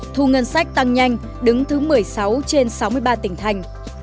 thu ngân sách tăng nhanh đứng thứ một mươi sáu trên sáu mươi ba tỉnh thành